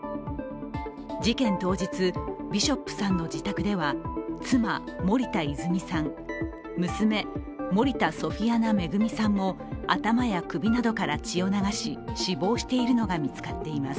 事件当日、ビショップさんの自宅では妻・森田泉さん、娘・森田ソフィアナ恵さんも頭や首などから血を流し死亡しているのが見つかっています。